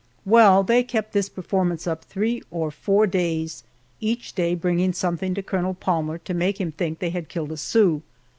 Well, they kept this performance up three or four days, each day bringing something to Colonel Palmer to make him think they had killed a Sioux.